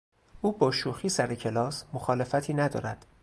او با شوخی سر کلاس مخالفتی ندارد.